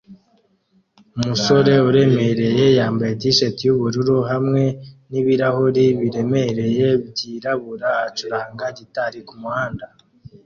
Umusore uremereye yambaye T-shirt yubururu hamwe n ibirahure biremereye byirabura-acuranga gitari kumuhanda